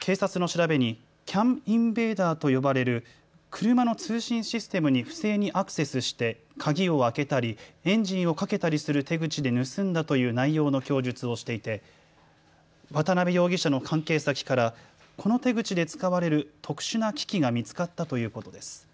警察の調べにＣＡＮインベーダーと呼ばれる車の通信システムに不正にアクセスして鍵を開けたりエンジンをかけたりする手口で盗んだという内容の供述をしていて渡邉容疑者の関係先からこの手口で使われる特殊な機器が見つかったということです。